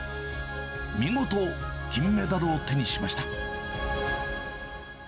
見事、金メダルを手にしました。